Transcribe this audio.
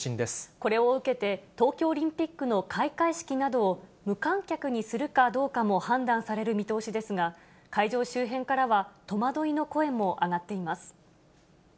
これを受けて、東京オリンピックの開会式などを無観客にするかどうかも判断される見通しですが、会場周辺からは戸惑いの声も上がっています。